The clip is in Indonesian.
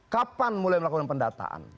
kapan mulai melakukan pendataan